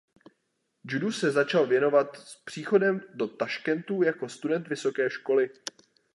Judu se začal věnovat s příchodem do Taškentu jako student vysoké školy.